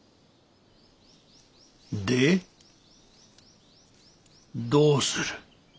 でどうする？